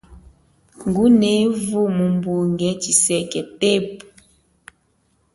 Ngunevu mumbunge chiseke tepu.